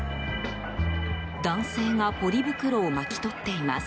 男性がポリ袋を巻き取っています。